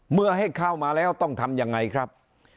เมื่อให้เข้ามาแล้วต้องทำยังไงครับ